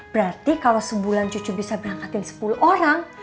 berarti kalau sebulan cucu bisa berangkatin sepuluh orang